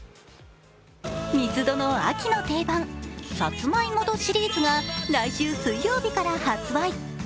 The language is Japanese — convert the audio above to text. ミスドの秋の定番、さつまいもドシリーズが来週水曜日から発売。